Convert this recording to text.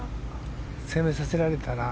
攻めさせられたな。